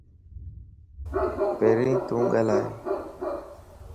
پھرين تون ڳالھائي